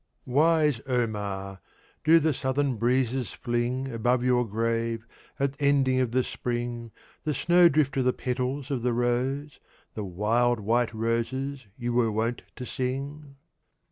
Wise Omar, do the Southern Breezes fling Above your Grave, at ending of the Spring, The Snowdrift of the petals of the Rose, The wild white Roses you were wont to sing?